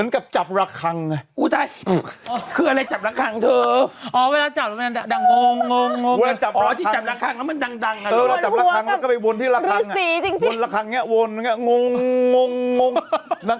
งงงง